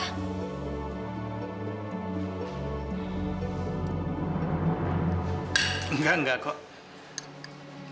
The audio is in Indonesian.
enggak enggak kok